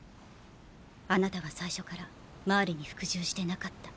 あなたは最初からマーレに服従してなかった。